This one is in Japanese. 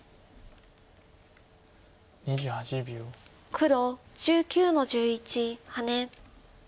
黒１９の十一ハネ。